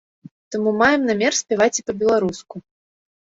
Таму маем намер спяваць і па-беларуску.